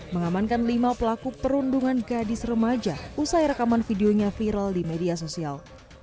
mengamankan lima pelaku perundungan gadis remaja usai rekaman videonya viral di media sosial